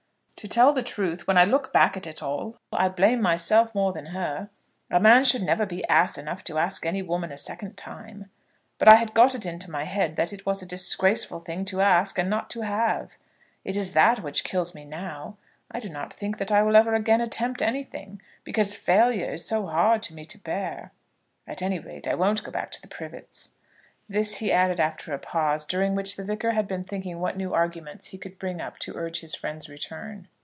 "To tell the truth, when I look back at it all, I blame myself more than her. A man should never be ass enough to ask any woman a second time. But I had got it into my head that it was a disgraceful thing to ask and not to have. It is that which kills me now. I do not think that I will ever again attempt anything, because failure is so hard to me to bear. At any rate, I won't go back to the Privets." This he added after a pause, during which the Vicar had been thinking what new arguments he could bring up to urge his friend's return.